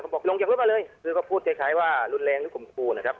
บอกลงจากรถมาเลยคือก็พูดคล้ายว่ารุนแรงหรือข่มครูนะครับ